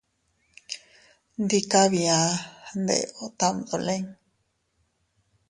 Ndika bia, ndeeo tam dolin.